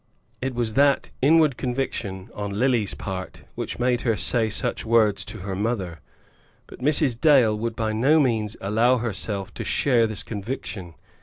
It was that inward conviction on Lily's part which made her say such words to her mother. But Mrs. Dale would by no means allow herself to share this conviction.